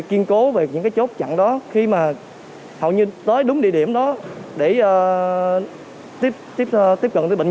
kiên cố về những cái chốt chặn đó khi mà hầu như tới đúng địa điểm đó để tiếp cận với bệnh